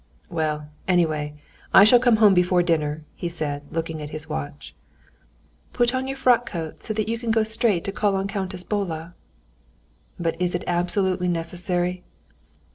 "Well, anyway, I shall come home before dinner," he said, looking at his watch. "Put on your frock coat, so that you can go straight to call on Countess Bola." "But is it absolutely necessary?"